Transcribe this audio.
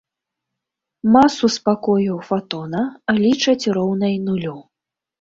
Масу спакою фатона лічаць роўнай нулю.